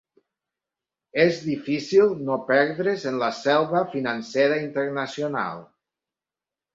És difícil no perdre's en la selva financera internacional.